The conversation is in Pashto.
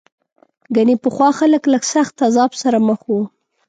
ګنې پخوا خلک له سخت عذاب سره مخ وو.